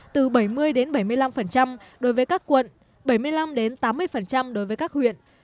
từ bảy mươi đến bảy mươi năm đối với các quận bảy mươi năm tám mươi đối với các huyện